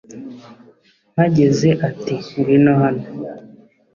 Mpageze ati ngwino hano